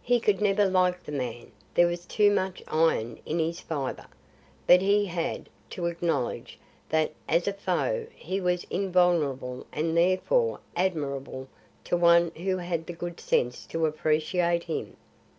He could never like the man; there was too much iron in his fibre; but he had to acknowledge that as a foe he was invulnerable and therefore admirable to one who had the good sense to appreciate him.